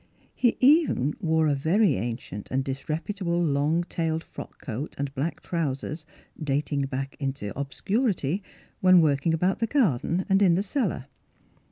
He even wore a very ancient and disrepu table long tailed frock coat and black trousers dating back into obscurity, when working about the garden and in the cel lar.